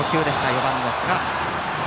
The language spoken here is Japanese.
４番の寿賀。